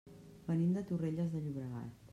Venim de Torrelles de Llobregat.